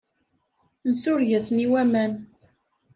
Nsureg-asen i waman.